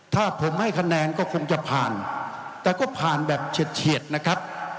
ถ้าผมให้คะแนนก็คงจะผ่านแต่ก็ผ่านแบบเฉียดนะครับ